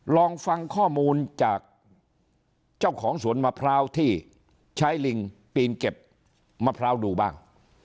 ลองฟังข้อมูลจากเจ้าของสวนมะพร้าวที่ใช้ลิงปีนเก็บมะพร้าวดูบ้าง